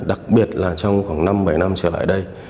đặc biệt là trong khoảng năm bảy năm trở lại đây